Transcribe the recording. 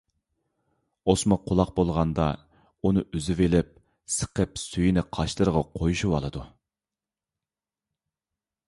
ئوسما قۇلاق بولغاندا، ئۇنى ئۈزۈۋېلىپ سىقىپ سۈيىنى قاشلىرىغا قويۇشۇۋالىدۇ.